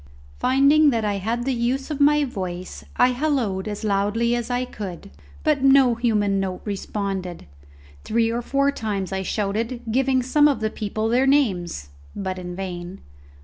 Finding that I had the use of my voice, I holloaed as loudly as I could, but no human note responded. Three or four times I shouted, giving some of the people their names, but in vain.